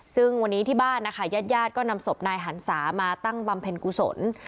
ซึ่งวันนี้ที่บ้านนะคะญาติญาติก็นำศพนายหันศามาตั้งบำเพ็ญกุศล